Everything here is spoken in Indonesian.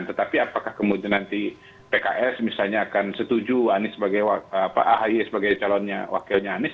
tetapi apakah kemudian nanti pks misalnya akan setuju pak ahay sebagai calon wakilnya anies